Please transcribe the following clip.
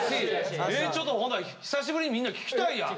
ちょっとほんなら久しぶりにみんな聞きたいやん。